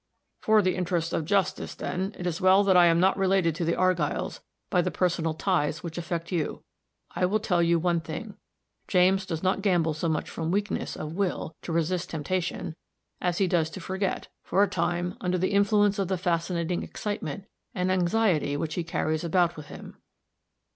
"For the interests of justice, then, it is well that I am not related to the Argylls by the personal ties which affect you. I will tell you one thing James does not gamble so much from weakness of will to resist temptation, as he does to forget, for a time, under the influence of the fascinating excitement, an anxiety which he carries about with him."